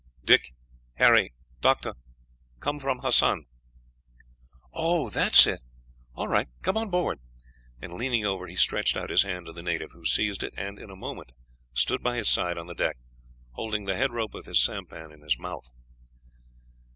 "Dick, Harry, Doctor; come from Hassan." "Oh, that is it; all right, come on board," and, leaning over, he stretched out his hand to the native, who seized it, and in a moment stood by his side on the deck, holding the head rope of his sampan in his mouth.